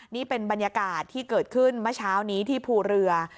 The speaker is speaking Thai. นี่เป็นบรรยากาศที่เกิดขึ้นเมื่อเช้านี้ที่ภูเรือ